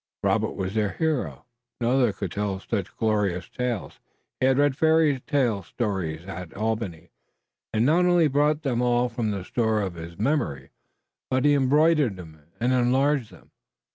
Robert was their hero. No other could tell such glorious tales. He had read fairy stories at Albany, and he not only brought them all from the store of his memory but he embroidered and enlarged them.